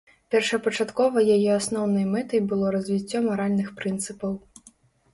Першапачаткова яе асноўнай мэтай было развіццё маральных прынцыпаў.